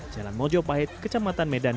jalan mojopahit kecamatan medan